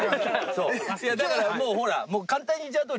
だからもうほら。